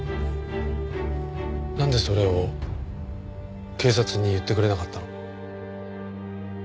なんでそれを警察に言ってくれなかったの？